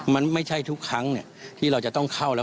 มันไม่ใช่ทุกครั้งที่เราจะต้องเข้าแล้ว